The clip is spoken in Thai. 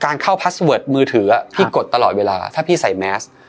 เข้าพาสเวิร์ดมือถือพี่กดตลอดเวลาถ้าพี่ใส่แมส